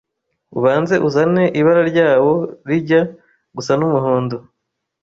ubanze uzane ibara ryawo rijya gusa n’umuhondo